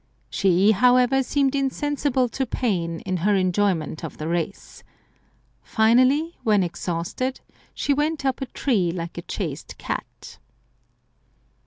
She, however, seemed insensible to pain, in her enjoyment of the race. Finally, when exhausted, she went up a tree like a chased cat.